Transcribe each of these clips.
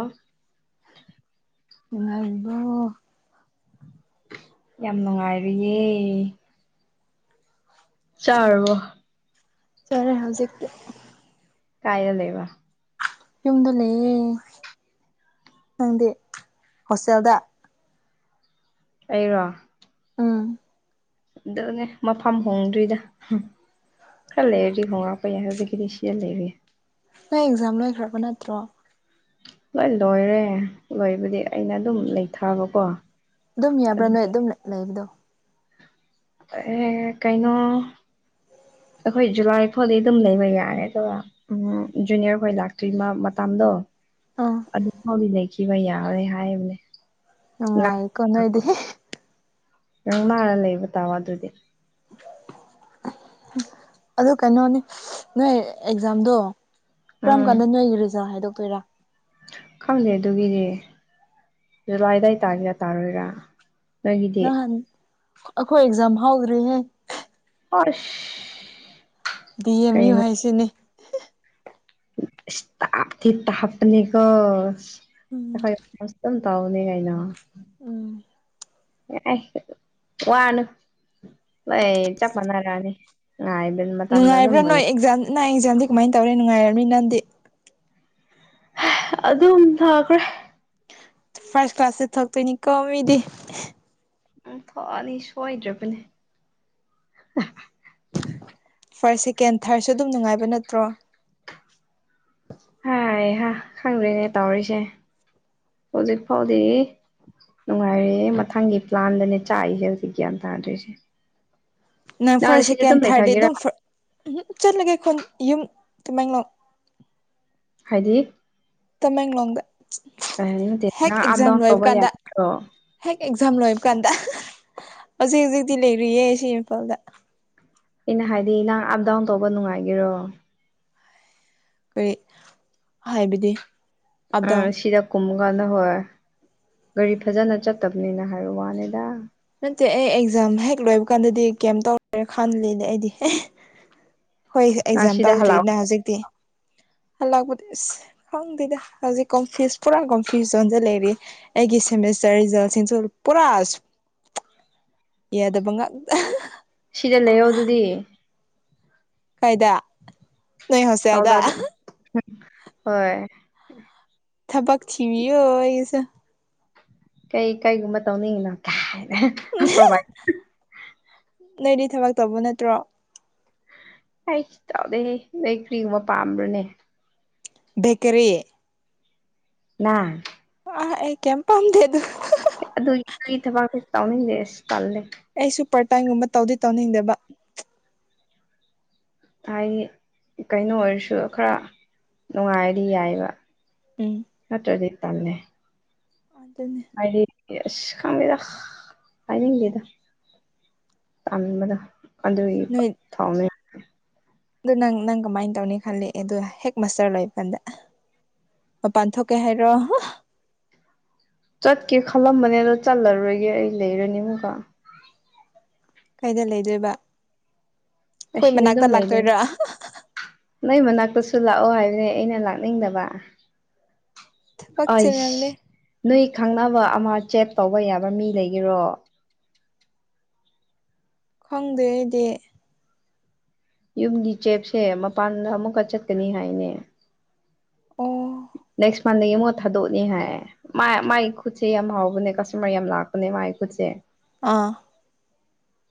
ꯑꯥ ꯅꯨꯡꯉꯥꯏꯔꯤꯕꯣ ꯌꯥꯝ ꯅꯨꯡꯉꯥꯏꯔꯤꯌꯦ ꯆꯥꯔꯕꯣ ꯆꯥꯔꯦ ꯍꯧꯖꯤꯛꯇꯤ ꯀꯥꯏꯗ ꯂꯩꯕ ꯌꯨꯝꯗ ꯂꯩꯌꯦ ꯅꯪꯗꯤ ꯍꯣꯁꯇꯦꯜꯗ ꯑꯩꯔꯣ ꯎꯝ ꯑꯗꯨꯅꯦ ꯃꯐꯝ ꯍꯣꯡꯗ꯭ꯔꯤꯗ ꯈꯥꯔ ꯂꯩꯔꯗꯤ ꯍꯣꯡꯔꯛꯄ ꯌꯥꯏ ꯍꯧꯖꯤꯛ ꯀꯤꯗꯤꯁꯤꯗ ꯂꯩꯔꯤ ꯅꯣꯏ ꯑꯦꯛꯖꯥꯝ ꯂꯣꯏꯈ꯭ꯔꯕ ꯅꯠꯇ꯭ꯔꯣ ꯂꯣꯏ ꯂꯣꯏꯔꯦ ꯂꯣꯏꯕꯗꯤ ꯑꯩꯅ ꯑꯗꯨꯝ ꯂꯩꯊꯥꯕꯀꯣ ꯑꯗꯨꯝ ꯌꯥꯕ꯭ꯔꯥ ꯅꯣꯏ ꯑꯗꯨꯒꯤ ꯑꯗꯨꯝ ꯂꯩꯕꯗꯣ ꯑꯦ ꯀꯩꯅꯣ ꯑꯩꯈꯣꯏ ꯖꯨꯂꯥꯏ ꯐꯥꯎꯗꯤ ꯑꯗꯨꯝ ꯂꯩꯕ ꯌꯥꯔꯦ ꯇꯣ ꯎꯝ ꯖꯨꯅꯤꯌꯔ ꯍꯣꯏ ꯂꯥꯛꯇ꯭ꯔꯤꯃ ꯃꯇꯝ ꯗꯣ ꯑꯥ ꯑꯗꯨꯐꯥꯎꯗꯤ ꯂꯩꯈꯤꯕ ꯌꯥꯔꯦ ꯍꯥꯏꯕꯅꯦ ꯅꯨꯡꯉꯥꯏ ꯏꯀꯣ ꯅꯣꯏꯗꯤ ꯅꯪ ꯃꯥꯔ ꯂꯩꯕ ꯇꯥꯕ ꯑꯗꯨꯗꯤ ꯑꯗꯨ ꯀꯩꯅꯣꯅꯤ ꯅꯣꯏ ꯑꯦꯛꯖꯥꯝꯗꯣ ꯀꯔꯝ ꯎꯝ ꯀꯥꯟꯗ ꯅꯣꯏꯒꯤ ꯔꯤꯖꯜ ꯍꯥꯏꯗꯣꯛ ꯀꯔꯤ ꯔ ꯈꯪꯗꯦ ꯑꯗꯨꯒꯤꯗꯤ ꯖꯨꯂꯥꯏ ꯑꯗꯥꯏ ꯇꯥꯒꯦꯔ ꯇꯥꯔꯣꯏꯔ ꯅꯣꯏꯒꯤꯗꯤ ꯑꯈꯣꯏ ꯑꯦꯛꯖꯥꯝ ꯍꯧꯗ꯭ꯔꯤꯍꯦ ꯑꯥꯏꯁ ꯗꯤ ꯑꯦꯝ ꯌꯨ ꯍꯥꯏꯁꯤꯅꯤ ꯏꯁ ꯊꯞꯇꯤ ꯊꯥꯞꯄꯅꯦ ꯀꯣ ꯎꯝ ꯑꯈꯣꯏ ꯃꯇꯝꯗꯁꯨ ꯗꯨꯝ ꯇꯧꯕꯅꯤ ꯀꯩꯅꯣ ꯎꯝ ꯋꯥꯅ ꯆꯞꯄꯅꯥꯔꯅꯤ ꯅꯨꯡꯉꯥꯏꯕ꯭ꯔꯥ ꯅꯣꯏ ꯑꯦꯛꯖꯥꯝ ꯅꯪ ꯑꯦꯛꯖꯥꯝꯗꯤ ꯀꯃꯥꯏꯅ ꯇꯧꯔꯦ ꯅꯨꯡꯉꯥꯏꯔꯝꯅꯤ ꯅꯪꯗꯤ ꯍꯥ ꯑꯗꯨꯝ ꯊꯥꯈ꯭ꯔꯦ ꯐꯥꯔꯁ ꯀ꯭ꯂꯥꯁꯇ ꯊꯣꯛꯇꯣꯏꯅꯤꯀꯣ ꯃꯤꯗꯤ ꯎꯝ ꯐꯅꯤ ꯁꯣꯏꯗ꯭ꯔꯕꯅꯦ ꯐꯥꯔ꯭ꯁ ꯁꯦꯀꯦꯟ ꯊꯥꯔꯠꯁꯨ ꯑꯗꯨꯝ ꯅꯨꯡꯉꯥꯏꯕ ꯅꯠꯇ꯭ꯔꯣ ꯍꯥꯏ ꯍꯥ ꯈꯪꯗ꯭ꯔꯦꯅꯦ ꯇꯧꯔꯤꯁꯦ ꯍꯧꯖꯤꯛ ꯐꯥꯎꯗꯤ ꯅꯨꯡꯉꯥꯏꯔꯦ ꯍꯦ ꯃꯊꯪꯒꯤ ꯄ꯭ꯂꯥꯟꯗꯅꯦ ꯆꯥꯛꯏꯁꯦ ꯍꯧꯖꯤꯛ ꯒ꯭ꯌꯥꯟ ꯇꯥꯗ꯭ꯔꯤꯁꯦ ꯅꯪ ꯐꯥꯔꯁ ꯁꯤꯗ ꯁꯦꯀꯦꯟ ꯑꯗꯨꯝ ꯊꯥꯔꯗꯤ ꯂꯩꯊꯒꯦꯔꯥ ꯑꯗꯨꯝ ꯎꯝ ꯍꯞ ꯆꯠꯂꯒꯦ ꯈꯨꯟ ꯌꯨꯝ ꯇꯥꯃꯦꯡꯂꯣꯡ ꯍꯥꯏꯗꯤ ꯇꯃꯦꯡꯂꯣꯡꯗ ꯀꯩ ꯍꯥꯏꯅꯤ ꯅꯠꯇꯦ ꯍꯦꯛ ꯅꯪ ꯑꯞ ꯑꯦꯛꯖꯥꯝ ꯗꯥꯎꯟ ꯂꯣꯏꯕ ꯇꯧꯕ ꯀꯥꯟꯗ ꯌꯥꯒꯗ꯭ꯔꯣ ꯍꯦꯛ ꯑꯦꯛ ꯖꯥꯝ ꯂꯣꯏꯕ ꯀꯥꯟꯗ ꯍꯧꯖꯤꯛ ꯍꯧꯖꯤꯛꯇꯤ ꯂꯩꯔꯤꯌꯦ ꯁꯤ ꯏꯝꯐꯥꯜꯗ ꯑꯩꯅ ꯍꯥꯏꯗꯤ ꯅꯪ ꯑꯞ ꯗꯥꯎꯟ ꯇꯧꯕ ꯅꯨꯡꯉꯥꯏꯒꯦꯔꯣ ꯀꯔꯤ ꯍꯥꯏꯕꯗꯤ ꯑꯞ ꯗꯥꯎꯟ ꯑꯥ ꯁꯤꯗ ꯀꯨꯝꯀꯥꯟꯗ ꯍꯣꯏ ꯒꯥꯔꯤ ꯐꯖꯅ ꯆꯠꯇꯕꯅꯤꯅ ꯍꯥꯏꯕ ꯋꯥꯅꯤꯗ ꯅꯠꯇꯦ ꯑꯩ ꯑꯦꯛꯖꯥꯝ ꯍꯦꯛ ꯂꯣꯏꯕ ꯀꯥꯟꯗꯗꯤ ꯀꯩꯝ ꯇꯧꯔꯦ ꯈꯜꯂꯤꯅꯦ ꯑꯩꯗꯤ ꯈꯣꯏ ꯅꯪ ꯑꯦꯛꯖꯥꯝ ꯁꯤꯗ ꯍꯜꯂꯛꯑꯣ ꯇꯧꯗ꯭ꯔꯤꯅ ꯍꯧꯖꯤꯛꯇꯤ ꯍꯜꯂꯛꯄꯗꯤ ꯏꯁ ꯈꯪꯗꯦꯗ ꯍꯧꯖꯤꯛ ꯒꯣꯝꯐꯤꯁ ꯄꯨꯔꯥ ꯒꯣꯝꯐꯤꯁ ꯖꯣꯟꯗ ꯂꯩꯔꯤ ꯑꯩꯒꯤ [unintelligible] [unintelligible] ꯄꯨꯔꯥ ꯌꯥꯗꯕ ꯉꯥꯛꯇ ꯁꯤꯗ ꯂꯩꯌꯣ ꯑꯗꯨꯗꯤ ꯀꯥꯏꯗ ꯅꯣꯏ ꯍꯣꯁꯇꯦꯜꯗ ꯄꯥꯎꯗꯥꯔꯗ ꯍꯣꯏ ꯊꯕꯛ ꯊꯕꯤꯌꯣ ꯑꯩꯁꯨ ꯀꯩ ꯀꯩꯒꯨꯝꯕ ꯇꯧꯅꯤꯡꯉꯤꯅꯣ ꯀꯥꯏ [unintelligible] ꯅꯣꯏꯗꯤ ꯊꯕꯛ ꯇꯧꯕ ꯅꯠꯇ꯭ꯔꯣ ꯑꯩ ꯇꯧꯗꯦ ꯂꯩ ꯀꯔꯤ ꯃꯄꯥꯝꯕ꯭ꯔꯥꯅꯦ ꯕꯦꯀꯔꯤ ꯅ ꯑ ꯑꯩ ꯀꯝ ꯄꯥꯝꯗꯦꯗ ꯑꯗꯣ ꯑꯩ ꯁꯤ ꯊꯕꯛꯁ ꯇꯥꯎꯅꯤꯡꯗꯦ ꯑꯁ ꯇꯜꯂꯦ ꯑꯩꯁꯨ ꯄꯥꯔꯠ ꯇꯥꯏꯝꯒꯨꯝꯕ ꯇꯧꯗꯤ ꯇꯧꯅꯤꯡꯗꯕ ꯍꯥꯏꯗꯤ ꯀꯩꯅꯣ ꯑꯣꯏꯔꯁꯨ ꯈꯔ ꯅꯨꯡꯉꯥꯏꯔꯗꯤ ꯌꯥꯏꯕ ꯎꯝ ꯅꯠꯇ꯭ꯔꯗꯤ ꯇꯛꯂꯦ ꯑꯗꯨꯅꯤ ꯌꯦꯁ ꯈꯪꯗꯦꯗ ꯍꯥꯏꯅꯤꯡꯗꯦꯗ ꯇꯜꯕꯗ ꯑꯗꯨꯒꯤ ꯅꯣꯏ ꯊꯥꯎꯃꯤ ꯑꯗꯨ ꯅꯪ ꯅꯪ ꯀꯃꯥꯏ ꯇꯧꯅꯤ ꯈꯜꯂꯤ ꯑꯗꯨ ꯍꯦꯛ ꯃꯁꯇꯔ ꯂꯣꯏꯕ ꯀꯥꯟꯗ ꯃꯥꯄꯥꯟ ꯊꯣꯛ ꯀꯦ ꯍꯥꯏꯔꯣ ꯆꯠꯀꯦ ꯈꯜꯂꯝꯕꯅꯦ ꯑꯗꯣ ꯆꯠꯂꯔꯣꯏꯒꯦ ꯑꯩ ꯂꯩꯔꯅꯤ ꯑꯃꯨꯀ ꯀꯩꯗ ꯂꯩꯗꯣꯏꯕ ꯑꯩꯈꯣꯏ ꯑꯁꯤꯅꯦ ꯃꯅꯥꯛꯇ ꯑꯗꯨꯝ ꯂꯩꯗꯣꯢꯅꯦ ꯂꯥꯛꯇꯣꯏꯔꯥ ꯅꯣꯢ ꯃꯅꯥꯛꯇꯁꯨ ꯑꯗꯣ ꯂꯥꯛꯑꯣ ꯍꯥꯏꯕꯗꯤ ꯑꯩꯅ ꯂꯥꯛꯅꯤꯡꯗꯕ ꯊꯕꯛ ꯑꯏꯁ ꯆꯤꯜꯂꯝꯅꯤ ꯅꯣꯏ ꯈꯪꯅꯕ ꯑꯃ ꯆꯦꯠ ꯇꯧꯕ ꯌꯥꯕ ꯃꯤ ꯂꯩꯒꯦꯔꯣ ꯈꯪꯗꯦ ꯑꯩꯗꯤ ꯌꯨꯝꯒꯤ ꯆꯦꯞꯁꯦ ꯃꯄꯥꯟꯗ ꯑꯃꯨꯛꯀ ꯆꯠꯀꯅꯤ ꯍꯥꯏꯅꯦ ꯑꯣ ꯅꯦꯛꯁ ꯃꯥꯂꯩ ꯑꯃꯨꯀ ꯊꯥꯗꯣꯛꯑꯅꯤ ꯍꯥꯏ ꯃꯥ ꯃꯥꯒꯤ ꯈꯨꯠꯁꯦ ꯌꯥꯝ ꯍꯥꯎꯕꯅꯦ ꯀꯁꯇꯃꯔ ꯌꯥꯝ ꯂꯥꯛꯄꯅꯦ ꯃꯥꯒꯤ ꯈꯨꯠꯁꯦ ꯑꯥ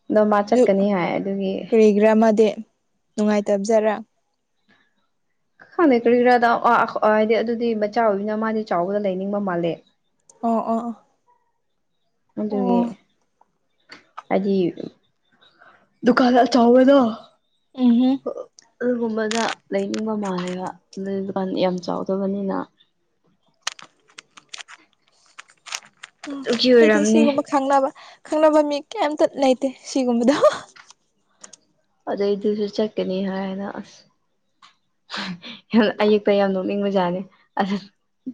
ꯑꯗꯣ ꯃꯥ ꯑꯗꯨ ꯆꯠꯀꯅꯤ ꯍꯥꯏ ꯑꯗꯨꯒꯤ ꯀꯔꯤꯒꯤꯔꯥ ꯃꯥꯗꯤ ꯅꯨꯡꯉꯥꯏꯇꯕꯖꯔꯥ ꯈꯪꯗꯦ ꯀꯔꯤ ꯔꯥꯗ ꯑ ꯍꯥꯏꯗꯤ ꯑꯗꯨꯗꯤ ꯃꯆꯥ ꯑꯣꯏꯅꯤꯅ ꯃꯥꯗꯤ ꯆꯥꯎꯕꯗ ꯂꯩꯅꯤꯡꯕ ꯃꯥꯜꯂꯦ ꯑꯣ ꯑꯣ ꯑꯣ ꯑꯗꯨꯅꯦ ꯑꯣ ꯍꯥꯏꯗꯤ ꯗꯨꯀꯥꯟ ꯑꯆꯧꯎꯕꯗꯣ ꯑ ꯎꯝꯍꯨꯝ ꯑꯗꯨꯒꯨꯝꯕꯗ ꯂꯩꯅꯤꯡꯕ ꯃꯥꯜꯂꯦꯕ ꯑꯗꯨ ꯗꯨꯀꯥꯟ ꯌꯥꯝ ꯆꯥꯎꯗꯕꯅꯤꯅ [inaudible] ꯎꯝ ꯑꯗꯨꯒꯤ ꯑꯩꯗꯤ ꯑꯣꯏꯔꯝꯅꯤ ꯁꯤꯒꯨꯝꯕ ꯈꯪꯅꯕ ꯈꯪꯅꯕ ꯃꯤ ꯀꯩꯝꯇ ꯂꯩꯇꯦ ꯁꯤꯒꯨꯝꯕꯗ ꯑꯗꯨꯗꯏꯗꯨꯁꯨ ꯆꯠꯀꯅꯤ ꯍꯥꯏꯅ ꯑꯁ ꯌꯥꯝ ꯑꯌꯦꯛꯄ ꯌꯥꯝ ꯅꯣꯛꯅꯤꯡꯕꯖꯥꯠꯅꯤ ꯑ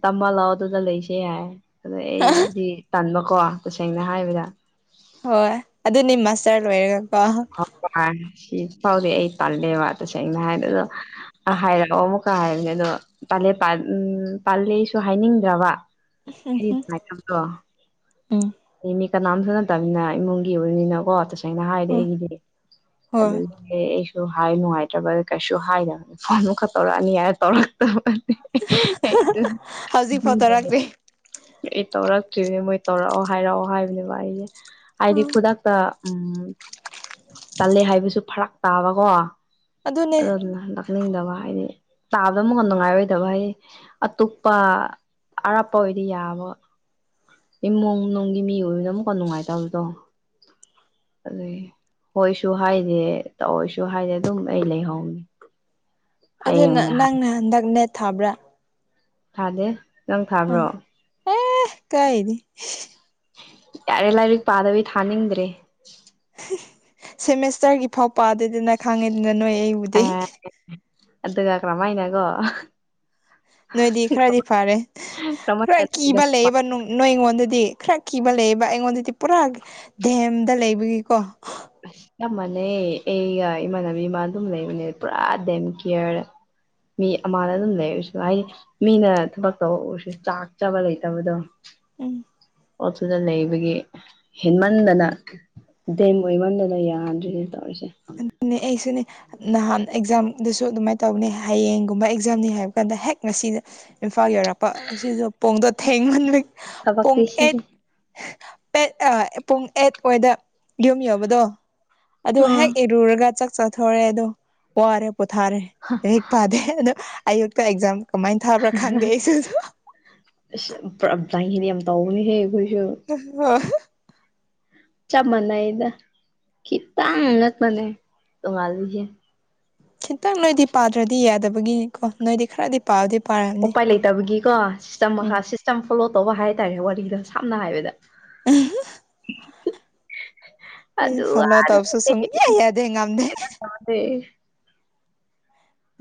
ꯇꯃ ꯂꯑꯣ ꯑꯗꯨꯗ ꯂꯩꯁꯦ ꯍꯥꯢ ꯑꯗ ꯑꯩꯗꯤ ꯇꯟꯕꯀꯣ ꯇꯁꯦꯡꯅ ꯍꯥꯏꯕꯗ ꯆꯠꯔꯣꯢꯒ ꯇꯪꯕ ꯉꯥꯢ ꯍꯨꯖꯤꯛ ꯐꯥꯎꯗꯤ ꯑꯩ ꯇꯜꯂꯦꯕ ꯑꯗꯨ ꯁꯦꯡꯅ ꯍꯥꯢꯕꯗ ꯑꯥꯢ ꯍꯥꯢꯒꯠꯂꯛꯑꯣ ꯑꯃꯨꯀ ꯍꯥꯢꯕꯅꯦ ꯑꯗꯣ ꯇꯜꯂꯦ ꯇꯜ ꯇꯜꯂꯦ ꯑꯩꯁꯨ ꯍꯥꯢꯅꯤꯡꯗ꯭ꯔꯕ [unintelligible] ꯎꯝ ꯃꯤ ꯀꯥꯅꯥꯝꯇꯅ ꯇꯜꯂꯦ ꯍꯥ ꯏꯃꯨꯡꯒꯤ ꯑꯣꯏꯕꯅꯤꯅꯀꯣ ꯍꯥꯢꯅ ꯍ ꯍꯥꯢꯔꯛꯑꯦ ꯑꯗꯨꯗꯨꯒꯤ ꯍꯣꯏ ꯑꯗꯨ ꯍꯦ ꯑꯩꯁꯨ ꯑꯗꯨ ꯍꯥꯏ ꯅꯨꯡꯉꯥꯏꯇ꯭ꯔꯕ ꯀꯩꯁꯨ ꯍꯥꯏꯗꯕꯅꯦ ꯐꯣꯟ ꯑꯃ ꯈꯛ ꯇꯧꯔꯛꯑꯅꯤ ꯍꯥꯏ ꯇꯧꯔꯛꯇꯕ ꯍꯧꯖꯤꯛꯐꯥꯎ ꯇꯧꯔꯛꯇ꯭ꯔꯤ ꯑꯩ ꯇꯧꯔ ꯀꯦ ꯇꯧꯔꯛ ꯀꯦ ꯃꯣꯏ ꯇꯧꯔꯛꯑꯣ ꯍꯥꯏꯔꯛꯑꯣ ꯍꯥꯏꯕꯅꯦꯕ ꯑꯩꯁꯦ ꯍꯥꯏꯗꯤ ꯎꯝ ꯈꯨꯗꯛꯇ ꯎꯝ ꯇꯜꯂꯦ ꯍꯥꯏꯕꯁꯨ ꯐꯔꯛ ꯇꯥꯕꯀꯣ ꯑꯗꯨꯅꯦ ꯑꯗꯨꯗꯨꯅ ꯍꯥꯏꯅꯤꯡꯗꯕ ꯍꯥꯏꯗꯤ ꯇꯥꯕꯗ ꯑꯃꯛ ꯅꯨꯡꯉꯥꯏꯔꯣꯏꯗꯕ ꯍꯥꯏꯗꯤ ꯑꯇꯣꯞꯄ ꯑꯔꯞꯄ ꯑꯣꯏꯗꯤ ꯌꯥꯕ ꯏꯃꯨꯡ ꯅꯨꯡꯒꯤ ꯃꯤ ꯑꯣꯏꯕꯅ ꯑꯃꯨꯛꯀ ꯅꯨꯡꯉꯥꯏꯇꯕꯗꯣ ꯑꯗꯒꯤ ꯍꯣꯏꯁꯨ ꯍꯥꯏꯗꯦ ꯇꯧꯑꯣꯏꯁꯨ ꯍꯥꯏꯗꯦ ꯑꯗꯨꯝ ꯑꯩ ꯂꯩꯍꯧꯅꯤ ꯍꯌꯦꯡ ꯑꯗꯨꯅ ꯑꯣꯏꯅ ꯍꯥꯏ ꯅꯪꯅ ꯍꯟꯗꯛ ꯅꯦꯠ ꯊꯥꯕ꯭ꯔꯥ ꯊꯥꯗꯦ ꯅꯪ ꯊꯥꯕ꯭ꯔꯣ [unintelligible] ꯌꯥꯔꯦ ꯂꯥꯏꯔꯤꯛ ꯄꯥꯗꯕꯤ ꯊꯥꯅꯤꯡꯗ꯭ꯔꯦ ꯁꯦꯃꯦꯁꯇꯔꯒꯤ ꯐꯥꯎ ꯄꯥꯗꯦꯗꯅ ꯈꯪꯉꯤꯗꯅ ꯅꯣꯏ ꯑꯩ ꯕꯨꯗꯤ ꯑꯦ ꯑꯗꯨꯒ ꯀꯔꯝꯃꯥꯏꯅꯀꯣ ꯅꯣꯏꯗꯤ ꯈꯔꯗꯤ ꯐꯔꯦ ꯈꯔ ꯀꯔꯝꯍꯥꯏꯅ ꯀꯤꯕ ꯂꯩꯕ ꯅꯣꯏ ꯑꯩꯉꯣꯟꯗꯗꯤ ꯈꯔ ꯀꯤꯕ ꯂꯩꯌꯦꯕ ꯑꯩꯉꯣꯟꯗꯗꯤ ꯄꯨꯔꯥ ꯗꯦꯝꯗ ꯂꯩꯕꯒꯤꯀꯣ ꯑꯁ ꯆꯞ ꯃꯥꯟꯅꯩ ꯑꯩꯒ ꯏꯃꯥꯟꯅꯕꯤ ꯃꯥ ꯗꯨꯝ ꯂꯩꯕꯅꯦ ꯄꯨꯔꯥ ꯗꯦꯝ ꯀꯤꯌ꯭ꯔ ꯃꯤ ꯑꯃꯅ ꯗꯨꯝ ꯂꯩꯔꯁꯨ ꯍꯥꯏꯗꯤ ꯃꯤꯅ ꯊꯕꯛ ꯇꯧ ꯑꯣꯏꯔꯁꯨ ꯆꯥꯛ ꯆꯥꯕ ꯂꯩꯇꯕꯗꯣ ꯎꯝ ꯑꯗꯨꯗ ꯂꯩꯕꯒꯤ ꯍꯤꯟꯃꯟꯗꯅ ꯗꯦꯝ ꯑꯣꯏꯃꯟꯗꯅ ꯌꯥꯗ꯭ꯔꯤꯅꯦ ꯇꯧꯔꯤꯁꯦ [unintelligible] ꯑꯩꯁꯨꯅꯦ ꯅꯍꯥꯟ ꯑꯦꯛꯖꯥꯝꯗꯁꯨ ꯑꯗꯨꯃꯥꯏꯅ ꯇꯧꯅꯤ ꯍꯌꯦꯡꯒꯨꯝꯕ ꯑꯦꯛꯖꯥꯝꯅꯤ ꯍꯥꯏꯕ ꯀꯥꯟꯗ ꯍꯦꯛ ꯉꯁꯤꯗ ꯏꯝꯐꯥꯜ ꯌꯧꯔꯛꯄ ꯑꯁꯤꯗꯣ ꯄꯣꯡꯗꯣ ꯊꯦꯡꯃꯟꯕꯒꯤ ꯊꯕꯛ [unintelligible] ꯄꯦꯠ ꯑꯥ ꯄꯨꯡ ꯑꯦꯠ ꯋꯥꯏꯗ ꯌꯨꯝ ꯌꯧꯕꯗꯣ ꯑꯗꯨ ꯑꯥ ꯍꯦꯛ ꯔꯒ ꯆꯥꯛ ꯆꯥꯊꯣꯔꯦ ꯑꯗꯣ ꯋꯥꯔꯦ ꯄꯣꯊꯥꯔꯦ ꯂꯥꯏꯔꯤꯛ ꯄꯥꯗꯦ ꯑꯗꯣ ꯑꯌꯨꯛꯇ ꯑꯦꯛꯖꯥꯝ ꯀꯃꯥꯏꯅ ꯊꯥꯕ꯭ꯔꯥ ꯈꯪꯗꯦ ꯑꯩꯁꯨꯁꯨ ꯑꯁ [unintelligible] [unintelligible] ꯆꯞ ꯃꯥꯟꯅꯩꯗ ꯈꯤꯇꯪ [unintelligible] ꯇꯣꯉꯥꯜꯂꯤꯖꯦ ꯈꯤꯇꯪ ꯅꯣꯏꯗꯤ ꯄꯥꯗ꯭ꯔꯗꯤ ꯌꯥꯗꯕꯒꯤꯅꯤꯀꯣ ꯅꯣꯏꯗꯤ ꯈꯔꯗꯤ ꯄꯥꯗꯤ ꯎꯄꯥꯏ ꯂꯩꯇꯕꯒꯤꯀꯣ ꯁꯤꯁꯇꯝ ꯎꯝ ꯃꯈꯥ ꯁꯤꯁꯇꯦꯝ ꯐꯣꯂꯣ ꯇꯧꯕ ꯍꯥꯏ ꯇꯔꯦ ꯋꯥꯔꯤꯗꯣ ꯁꯝꯅ ꯍꯥꯏꯕꯗ ꯑꯩꯈꯣꯏ ꯐꯣꯂꯣ ꯇꯧꯕꯁꯨ ꯁꯨꯡꯌꯥ ꯌꯥꯗꯦ ꯉꯝꯗꯦ [unintelligible]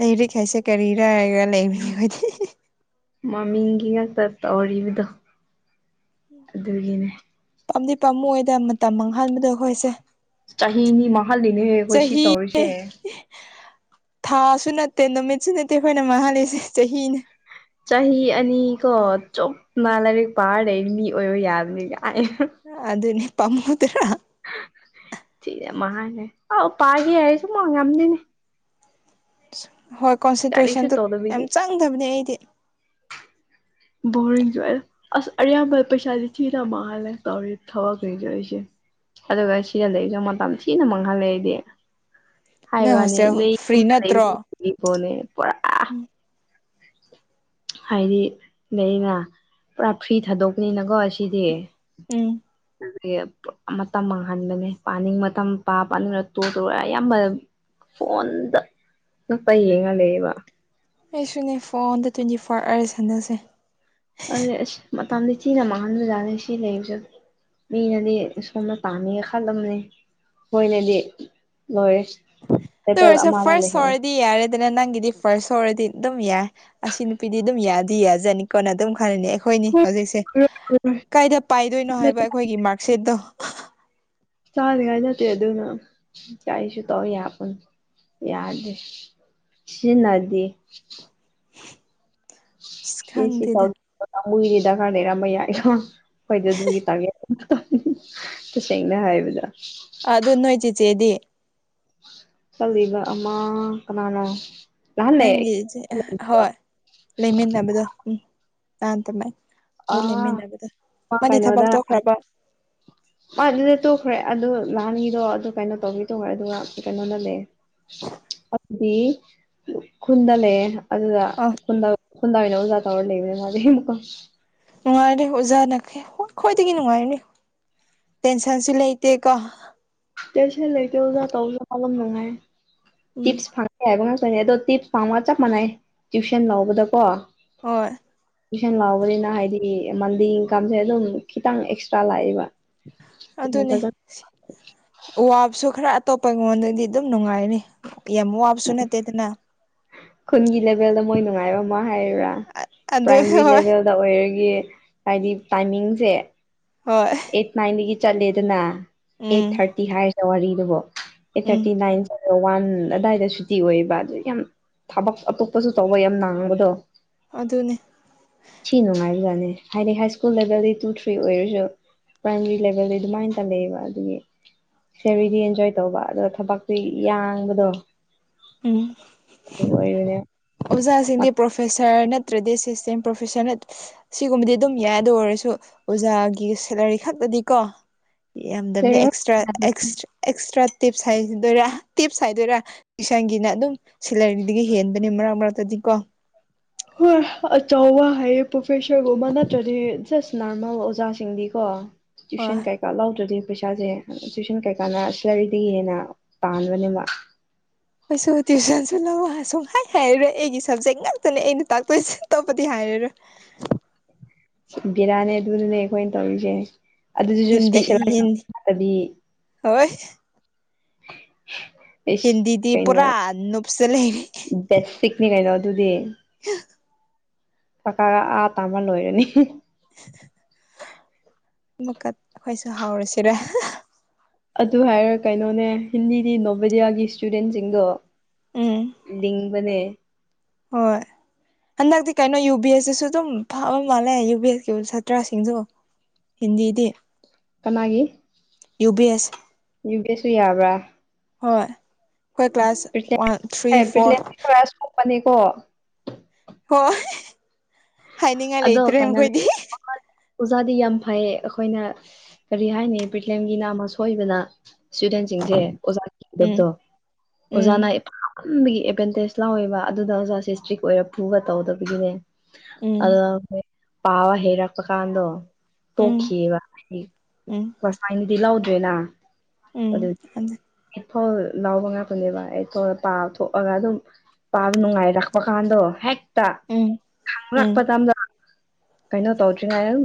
ꯂꯩꯔꯤꯛ ꯍꯥꯏꯁꯦ ꯀꯔꯤꯔ ꯍꯥꯏꯔꯒ ꯂꯩꯔꯤ ꯑꯩꯈꯣꯏꯗꯤ ꯍꯤ ꯍꯤ ꯃꯃꯤꯡꯒꯤ ꯉꯥꯛꯇ ꯇꯧꯔꯤꯕꯗꯣ ꯑꯗꯨꯒꯤꯅꯦ ꯄꯥꯝꯗꯤ ꯄꯥꯝꯃꯨꯏꯗ ꯃꯇꯝ ꯃꯥꯡꯍꯟꯕꯗ ꯑꯩꯈꯣꯏꯁꯦ ꯆꯍꯤꯅꯤ ꯃꯥꯡꯍꯜꯂꯤꯅꯦꯍꯦ ꯈꯣꯏ ꯁꯤ ꯆꯍꯤ ꯇꯧꯔꯤꯁꯦ ꯊꯥꯁꯨ ꯅꯠꯇꯦ ꯅꯨꯃꯤꯠꯁꯨ ꯅꯠꯇꯦ ꯑꯩꯈꯣꯏꯅ ꯃꯥꯡꯍꯥꯜꯂꯤꯁꯦ ꯆꯍꯤꯅꯤ ꯆꯍꯤ ꯑꯅꯤ ꯀꯣ ꯆꯨꯞꯅ ꯂꯥꯏꯔꯤꯛ ꯄꯥꯔ ꯃꯤ ꯑꯣꯏꯔꯣ ꯌꯥꯕꯅꯤ ꯅ [unintelligible] ꯄꯝꯃꯨꯗꯔ [unintelligible] ꯍꯣꯏ ꯀꯔꯤꯁꯨ ꯀꯣꯟꯁꯦꯟꯇ꯭ꯔꯦꯁꯟꯗꯨ ꯇꯧꯗꯕꯤꯗꯤ ꯌꯥꯝ ꯆꯪꯗꯕꯅꯦ ꯑꯩꯗꯤ ꯕꯣꯔꯤꯡ ꯆꯨꯏ ꯑꯁ ꯑꯌꯥꯝꯕ ꯄꯩꯁꯥꯗꯤ ꯊꯤꯅ ꯃꯥꯡꯍꯜꯂꯦ ꯇꯧꯔꯤ ꯊꯕꯛ ꯁꯤꯡꯁꯦ ꯑꯩꯁꯦ ꯑꯗꯨꯒ ꯁꯤꯗ ꯂꯩꯖꯦ ꯃꯇꯝ ꯊꯤꯅ ꯃꯥꯡꯍꯜꯂꯦ ꯑꯩꯗꯤ ꯍꯥꯏ ꯅꯣꯏ ꯋꯥꯅꯦ ꯍꯣꯁꯇꯦꯜ ꯐ꯭ꯔꯤ ꯅꯠꯇ꯭ꯔꯣ [unintelligible] ꯄꯨꯔꯥ ꯎꯝ ꯍꯥꯏꯗꯤ ꯂꯩꯅ ꯄꯨꯔꯥ ꯐ꯭ꯔꯤ ꯊꯥꯗꯣꯛꯄꯅꯤꯅꯀꯣ ꯁꯤꯗꯤ ꯎꯝ ꯄꯨꯔꯥ ꯃꯇꯝ ꯃꯥꯡꯍꯟꯕꯅꯦ ꯄꯥꯅꯤꯡ ꯃꯇꯝ ꯄꯥꯕ ꯄꯥꯅꯤꯡꯗ꯭ꯔꯥ [unintelligible] ꯑꯌꯥꯝꯕ ꯐꯣꯟꯗ [unintelligible] ꯌꯦꯡꯉ ꯂꯩꯌꯦꯕ ꯑꯩꯁꯨꯅꯦ ꯐꯣꯟꯗ ꯇ꯭ꯋꯦꯟꯇꯤ ꯐꯣꯔ [unintelligible] ꯁꯥꯟꯅꯁꯦ ꯇꯝꯗꯤ ꯊꯤꯅ ꯃꯥꯥꯡꯍꯟꯕꯖꯥꯠꯅꯤ ꯁꯤ ꯂꯩꯕꯖꯨ ꯃꯤꯅꯗꯤ ꯁꯣꯝꯅ ꯄꯥꯝꯃꯤꯒ ꯈꯜꯂꯝꯅꯤ ꯈꯣꯏꯅꯗꯤ ꯂꯣꯏꯔꯦ ꯑꯗꯨ ꯇꯥꯏꯇꯜ ꯑꯣꯏꯔꯁꯨ ꯑꯃ ꯑꯃ ꯐꯔꯁ ꯂꯩꯍꯧꯋꯤ ꯍꯧꯔꯗꯤ ꯌꯥꯔꯦ ꯑꯗꯨꯅ ꯅꯪꯒꯤꯗꯤ ꯐꯥꯔꯁ ꯍꯣꯔꯗꯤ ꯑꯗꯨꯝ ꯌꯥꯏ ꯑꯁꯤ ꯅꯨꯄꯤꯗꯤ ꯑꯗꯨꯝ ꯌꯥꯗꯤ ꯌꯥꯖꯥꯠꯅꯤꯀꯣꯅ ꯑꯗꯨꯝ ꯈꯜꯂꯅꯤ ꯈꯣꯏꯅꯤ ꯍꯧꯖꯤꯛꯁꯦ ꯀꯥꯏꯗ ꯄꯥꯏꯗꯣꯏꯅꯣ ꯍꯥꯏꯕ ꯑꯩꯈꯣꯏꯒꯤ ꯃꯥꯔꯛꯁꯤꯠꯇꯣ ꯆꯥꯅꯤꯉꯥꯏ ꯅꯠꯇꯦ ꯑꯗꯨꯅ ꯀꯥꯏꯁꯨ ꯇꯧ ꯌꯥꯄꯣꯠ ꯌꯥꯗꯦ ꯁꯤꯖꯤꯟꯅꯗꯤ ꯑꯁ ꯈꯪꯗꯦꯗ [unintelligible] ꯗꯔꯀꯥꯔ ꯂꯩꯔꯝꯕ ꯌꯥꯏꯀꯣ ꯑꯈꯣꯏꯗꯤ ꯑꯗꯨꯒꯤ ꯇꯥꯔꯒꯦꯠ ꯑꯃꯇ ꯇꯧꯗꯦ ꯇꯁꯦꯡꯅ ꯍꯥꯏꯕꯗ ꯑꯗꯨ ꯅꯣꯏ ꯆꯦ ꯆꯦꯗꯤ ꯀꯜꯂꯤꯕ ꯑꯃ ꯀꯅꯥꯔꯥ ꯅꯪꯒꯤꯖꯦ ꯍꯣꯏ ꯂꯩꯃꯤꯟꯅꯕꯗꯣ ꯎꯝ ꯇꯥꯟ ꯇꯝꯃꯩ ꯅꯣꯏ ꯑꯥ ꯂꯩꯃꯤꯟꯅꯕꯗꯣ ꯃꯥ ꯃꯥꯗꯤ ꯊꯕꯛ ꯀꯩꯅꯣꯗ ꯇꯣꯛꯈ꯭ꯔꯕ ꯃꯥ ꯗꯨꯗ ꯇꯣꯛꯈ꯭ꯔꯦ ꯑꯗꯨ ꯅꯍꯥꯟꯒꯤꯗꯣ ꯑꯗꯨ ꯀꯩꯅꯣ ꯇꯧ ꯇꯣꯡꯈ꯭ꯔꯦ ꯑꯗꯨꯒ ꯀꯩꯅꯣꯅ ꯂꯩ [unintelligible] ꯎꯈ꯭ꯔꯨꯜꯗ ꯂꯩꯌꯦ ꯑꯗꯨꯗꯣ ꯑꯥ ꯎꯈꯨꯟꯗ ꯎꯈꯨꯟꯗ ꯑꯣꯏꯅ ꯑꯣꯖꯥ ꯊꯧꯔꯒ ꯂꯩꯕꯅꯦ ꯃꯥꯗꯤ [unintelligible] ꯅꯨꯡꯉꯥꯏꯔꯦ ꯑꯣꯖꯥꯅ ꯀꯌꯥ ꯈ꯭ꯋꯥꯏꯗꯒꯤ ꯅꯨꯡꯉꯥꯏꯔꯅꯤ ꯇꯦꯟꯁꯟꯁꯨ ꯂꯩꯇꯦ ꯀꯣ ꯇꯦꯟꯁꯟ ꯂꯩꯇꯦ ꯑꯣꯖꯥ ꯇꯧꯕꯅ ꯄꯪꯅꯨꯡ ꯅꯨꯡꯉꯥꯏ ꯎꯝ ꯇꯤꯞꯁ ꯐꯪꯉꯦ ꯍꯥꯏꯕ ꯉꯥꯛ [unintelligible] ꯑꯗꯣ ꯇꯤꯞꯁ ꯐꯪꯕꯒ ꯆꯞ ꯃꯥꯟꯅꯩ ꯇ꯭ꯋꯨꯁꯟ ꯂꯧꯕꯗꯀꯣ ꯍꯣꯏ ꯇ꯭ꯋꯨꯁꯟ ꯂꯥꯎꯕꯅꯤꯅ ꯍꯥꯏꯗꯤ ꯃꯟꯂꯤ ꯏꯟꯀꯝꯁꯦ ꯗꯨꯝ ꯈꯤꯇꯪ ꯑꯦꯛꯁꯇ꯭ꯔꯥ ꯂꯥꯛꯑꯦꯕ ꯇꯨꯏꯁꯟ ꯑꯗꯨꯅꯦ ꯐꯖꯅ ꯁꯤ ꯋꯥꯕꯁꯨ ꯈꯔ ꯑꯇꯣꯞꯄ ꯉꯣꯟꯗꯗꯤ ꯗꯨꯝ ꯅꯨꯡꯉꯥꯏꯔꯅꯤ ꯌꯥꯝ ꯋꯥꯕꯁꯨ ꯅꯠꯇꯦꯗꯅ ꯈꯨꯟꯒꯤ ꯂꯦꯚꯦꯜꯗ ꯃꯣꯏ ꯅꯨꯡꯉꯥꯏꯕ ꯑꯃ ꯍꯥꯏꯌꯨꯔꯥ ꯑꯗꯨ ꯄ꯭ꯔꯥꯏꯃꯔꯤ ꯍꯣꯏ ꯂꯦꯚꯦꯜꯗ ꯑꯣꯏꯔ ꯌꯦ ꯍꯥꯏꯗꯤ ꯇꯥꯏꯃꯤꯡꯁꯦ ꯍꯣꯏ ꯑꯦꯠ ꯅꯥꯏꯟꯗꯒꯤ ꯆꯠꯂꯦꯗꯅ ꯑꯦꯠ ꯎꯝ ꯊꯥꯔꯇꯤ ꯍꯥꯏꯔꯁꯦ ꯋꯥꯔꯤꯗꯀꯣ eight um thirty nine one ꯑꯗꯥꯏꯗ ꯁꯨꯇꯤ ꯑꯣꯏꯌꯦꯕ ꯑꯗꯨ ꯌꯥꯝ ꯊꯥꯕꯛ ꯑꯇꯣꯞꯄꯖꯨ ꯇꯧꯕ ꯌꯥꯝ ꯅꯥꯡꯕꯗꯣ ꯑꯗꯨꯅꯦ ꯊꯤ ꯅꯨꯡꯉꯥꯏꯕꯖꯥꯠꯅꯤ ꯍꯥꯏꯗꯤ ꯍꯥꯏ ꯁ꯭ꯀꯨꯜ ꯂꯦꯚꯦꯜꯗꯤ ꯇꯨ ꯊ꯭ꯔꯤ ꯑꯣꯏꯔꯁꯨ ꯄ꯭ꯔꯥꯏꯃꯥꯔꯤ ꯂꯦꯚꯦꯜꯗꯤ ꯑꯗꯨꯃꯥꯏꯅ ꯇꯝꯅꯩꯌꯦꯕ ꯑꯗꯨꯒꯤ ꯁꯦꯔꯤꯗꯤ ꯑꯦꯟꯖꯣꯏ ꯇꯧꯕ ꯑꯗꯣ ꯊꯕꯛꯇꯤ ꯌꯥꯡꯕꯗꯣ ꯑꯣꯏꯕꯅꯦ ꯑꯣꯖꯥ ꯁꯤꯡꯗꯤ ꯄ꯭ꯔꯣꯐꯦꯁꯔ [unintelligible] ꯅꯠꯇ꯭ꯔꯗꯤ ꯑꯦꯁꯤꯁꯇꯦꯟ ꯄꯣꯐꯦꯁꯔ ꯅꯠ ꯁꯤꯒꯨꯝꯕꯗꯤ ꯗꯨꯝ ꯌꯥꯏ ꯑꯗꯨ ꯑꯣꯏꯔꯁꯨ ꯑꯣꯖꯥꯒꯤ ꯁꯦꯂꯔ ꯈꯛꯇꯗꯤꯀꯣ ꯌꯥꯝꯗꯕꯅꯦ ꯑꯦꯛꯁꯇ꯭ꯔꯥ ꯑꯦꯛꯁ ꯑꯦꯛꯁꯇ꯭ꯔꯥ ꯇꯤꯞ [unintelligible] ꯇꯤꯞꯁ ꯍꯥꯏꯗꯣꯏꯔꯥ ꯏꯁꯟꯒꯤꯅ ꯑꯗꯨꯝ ꯁꯦꯂ꯭ꯔ ꯔꯤꯗꯒꯤ ꯍꯦꯟꯕꯅꯤ ꯃꯔ ꯃꯔꯛꯇꯗꯤꯀꯣ ꯍꯣꯏ ꯑꯆꯧꯕ ꯍꯥꯏꯌꯦ ꯄ꯭ꯔꯣꯐꯦꯁꯔꯒꯨꯝꯕ ꯅꯠꯇ꯭ꯔꯗꯤ ꯖꯁ ꯅꯣꯔꯃꯦꯜ ꯑꯣꯖꯥꯁꯤꯡꯗꯤꯀꯣ ꯍꯣꯏ ꯇ꯭ꯌꯨꯨꯁꯟ ꯀꯩꯀꯥ ꯂꯧꯗ꯭ꯔꯗꯤ ꯄꯩꯁꯥꯖꯦ ꯇꯨꯏꯁꯟ ꯀꯩꯀꯥꯅ ꯁꯦꯂꯔꯤꯗꯒꯤ ꯍꯦꯟꯅ ꯇꯥꯟꯕꯅꯦꯕ ꯑꯩꯁꯨ ꯇ꯭ꯌꯨꯁꯟꯁꯨ ꯂꯧꯕ ꯁꯨꯛ ꯍꯥꯏ ꯍꯥꯏꯔꯔꯣꯏ ꯑꯩꯒꯤ ꯁꯞꯖꯦꯛ ꯉꯥꯛꯇꯅꯦ ꯑꯩꯅ ꯇꯥꯛꯇꯣꯏꯁꯦ ꯑꯇꯣꯞꯄꯗꯤ ꯍꯥꯏ ꯍꯦꯔꯔꯣꯏ ꯕꯤꯔꯥꯅꯦ ꯑꯗꯨꯅꯅꯦ ꯈꯣꯏꯅ ꯇꯧꯔꯤꯁꯦ ꯑꯗꯨꯖꯨꯖꯨ ꯍꯤꯟꯗꯤ ꯁ꯭ꯄꯦꯁꯦꯜꯂꯥꯏꯁ ꯍꯤꯟ ꯇꯕꯤ ꯍꯣꯏ ꯍꯤꯟꯗꯤꯗꯤ ꯀꯩꯅꯣ ꯄꯨꯔꯥ ꯅꯨꯞꯁ ꯆꯠ ꯂꯩꯔꯦ ꯕꯦꯁꯤꯛꯅꯤ ꯀꯩꯅꯣ [unintelligible] ꯀꯀꯥꯒ ꯑꯥ ꯇꯥꯝꯃ ꯂꯣꯏꯔꯅꯤ [unintelligible] ꯀꯠ ꯑꯈꯣꯏꯁꯨ ꯍꯧꯔꯥꯁꯤꯔꯥ ꯑꯗꯨ ꯍꯥꯏꯔ ꯀꯩꯅꯣꯅꯦ ꯍꯤꯟꯗꯤꯗꯤ ꯅꯣꯕꯦꯗꯤꯌꯥꯒꯤ ꯁ꯭ꯇꯨꯗꯦꯟꯁꯤꯡꯗꯣ ꯎꯝ ꯂꯤꯡꯕꯅꯦ ꯍꯣꯏ ꯍꯟꯗꯛꯇꯤ ꯀꯩꯅꯣ ꯌꯨ ꯕꯤ ꯑꯦꯁ ꯁꯤꯁꯨ ꯗꯨꯝ ꯐꯥꯕ ꯃꯥꯜꯂꯦ ꯌꯨ ꯕꯤ ꯑꯦꯁꯀꯤ ꯁꯥꯇ꯭ꯔꯥꯁꯤꯡꯗꯣ ꯍꯤꯟꯗꯤꯗꯤ ꯀꯅꯥꯒꯤ ꯌꯨ ꯕꯤ ꯑꯦꯁ ꯌꯨꯕꯤ ꯑꯦꯁ ꯁꯨ ꯌꯥꯕ꯭ꯔꯥ ꯍꯣꯏ ꯑꯩꯈꯣꯏ ꯀ꯭ꯂꯥꯁ ꯋꯥꯟ ꯊ꯭ꯔꯤ ꯐꯣꯔ ꯐꯅꯤꯀꯣ ꯍꯣꯏ ꯍꯥꯏꯅꯤꯡꯉꯥꯏ ꯑꯗꯣ ꯂꯩꯇ꯭ꯔꯦ ꯀꯩꯅꯣꯅꯦ ꯃꯈꯣꯏꯗꯤ ꯑꯣꯖꯥꯗꯤ ꯌꯥꯝ ꯐꯩ ꯑꯩꯈꯣꯏꯅ ꯀꯔꯤ ꯍꯥꯏꯅꯤ ꯄ꯭ꯔꯤꯀꯦꯟꯒꯤ ꯅꯥꯝꯃ ꯁꯣꯏꯕꯅ ꯏꯁꯇꯨꯗꯦꯟꯁꯤꯡꯁꯦ ꯑꯣꯖꯥ ꯎꯝ ꯀꯤꯗꯕꯗꯣ ꯎꯝ ꯑꯣꯖꯥꯅ ꯕꯒꯤ ꯑꯦꯗꯚꯦꯟꯇꯦꯖ ꯂꯥꯎꯋꯦꯕ ꯑꯗꯨꯗ ꯑꯣꯖꯥꯁꯦ ꯏꯁꯇ꯭ꯔꯤꯛ ꯑꯣꯏ ꯐꯨꯕ ꯇꯧꯗꯕꯒꯤꯅꯦ ꯎꯝ ꯑ ꯄꯥꯋꯥ ꯍꯩꯔꯛꯄ ꯀꯥꯟꯗꯣ ꯎꯝ ꯇꯣꯈꯤꯌꯦꯕ ꯑꯩ ꯄꯔꯣꯐꯥꯏꯟꯗꯤ ꯂꯧꯗ꯭ꯔꯤꯅ ꯎꯝ ꯑꯗꯨ ꯎꯝ ꯐꯣ ꯂꯥꯎꯕ ꯉꯥꯛꯇꯅꯦꯕ ꯑꯩ ꯐꯧ ꯄꯥ ꯊꯣꯛꯑꯒ ꯑꯗꯨꯝ ꯄꯥꯕ ꯅꯨꯡꯉꯥꯏꯔꯛꯄ ꯀꯥꯟꯗꯣ ꯍꯦꯛꯇ ꯎꯝ ꯎꯝ ꯈꯪꯔꯛꯄ ꯃꯇꯝꯗ ꯀꯩꯅꯣ ꯇꯧꯗ꯭ꯔꯤꯉꯩ ꯑꯗꯨꯝ